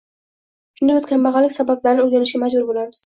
Shunda biz kambag‘allik sabablarini o‘rganishga majbur bo‘lamiz.